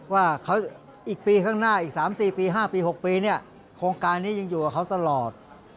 ว่าอีกปีข้างหน้าอีก๓๔ปี๕ปี๖ปีเนี่ยโครงการนี้ยังอยู่กับเขาตลอด